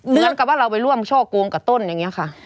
เหมือนกับว่าเราไปร่วมช่อโกงกับต้นอย่างนี้ค่ะ